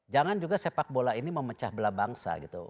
jangan juga sepak bola ini memecah belah bangsa gitu